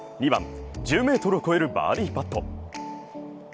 ２番１０ｍを超えるバーディパット。